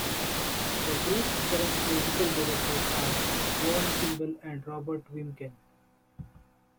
The group's current musical directors are Joan Kimball and Robert Wiemken.